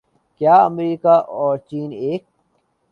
کیا امریکہ اور چین ایک